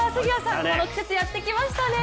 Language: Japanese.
この季節がやってきましたね。